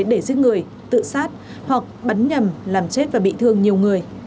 để giết người tự sát hoặc bắn nhầm làm chết và bị thương nhiều người